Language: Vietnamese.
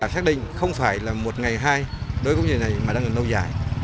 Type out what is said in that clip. xác định không phải là một ngày hai đối với công ty này mà đang lâu dài